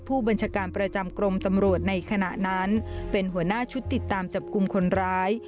ผู้บัญชาการประจำกรมตำรวจในขณะนั้นเป็นหัวหน้าชุดติดตามจับกลุ่มคนร้าย